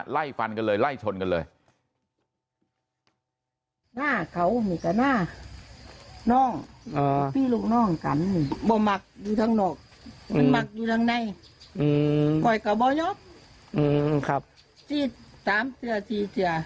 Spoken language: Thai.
ไล่ฟันกันเลยไล่ชนกันเลย